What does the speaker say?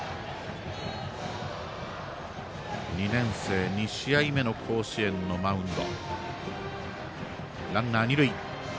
２年生２試合目の甲子園のマウンド。